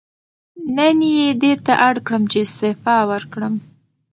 نن یې دې ته اړ کړم چې استعفا ورکړم.